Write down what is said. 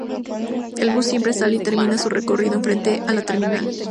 El bus siempre sale y termina su recorrido en frente a la terminal.